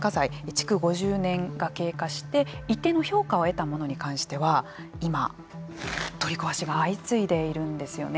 築５０年が経過して一定の評価を得たものに関しては今、取り壊しが相次いでいるんですよね。